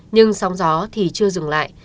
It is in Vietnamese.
nhưng sóng gió thì chưa dừng lại